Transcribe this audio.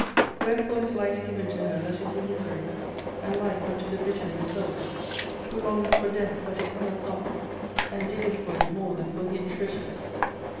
Wherefore is light given to her that is in misery; and life unto the bitter in soul? Who longeth for death; but it cometh not; and diggeth for it more than for hid treasures?